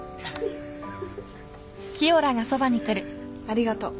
ありがとう。